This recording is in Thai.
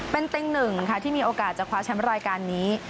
เป็นเต็งหนึ่งค่ะที่มีโอกาสจะคว้าแชมป์รายการนี้